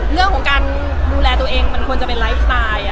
เรื่องของการดูแลตัวเองมันควรจะเป็นไลฟ์สไตล์